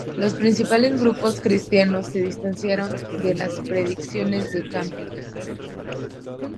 Los principales grupos cristianos se distanciaron de las predicciones de Camping.